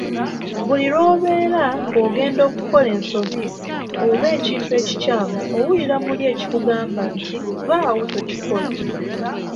Buli lw'obeera ng'ogenda kukola ensobi oba ekintu ekikyamu owulira muli ekikugamba nti, "Vvaawo tokikola".